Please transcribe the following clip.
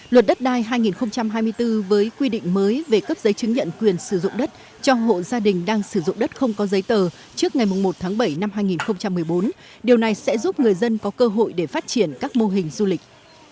luật đất đai hai nghìn hai mươi bốn với quy định mới về cấp giấy chứng nhận quyền sử dụng đất cho hộ gia đình đang sử dụng đất không có giấy tờ trước ngày một tháng bảy năm hai nghìn một mươi bốn điều này sẽ giúp người dân có cơ hội để phát triển các mô hình du lịch